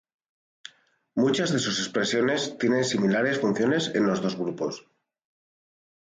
Muchas de sus expresiones tiene similares funciones en los dos grupos.